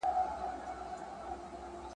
راته ازل ایستلي لاري پرېښودلای نه سم ..